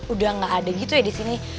udah gak ada gitu ya disini